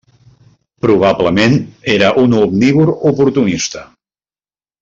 Probablement era un omnívor oportunista.